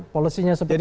polisi nya seperti apa